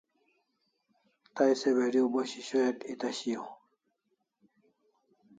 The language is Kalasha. Tay se video bo shishoyak eta shiaw